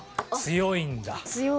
強いんだな。